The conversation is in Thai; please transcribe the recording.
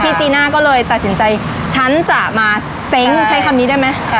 พี่จีน่าก็เลยตัดสินใจฉันจะมาใช่ใช้คำนี้ได้ไหมค่ะ